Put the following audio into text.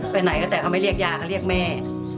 ไปไหนก็แต่เขาไม่เรียกยาเขาเรียกแม่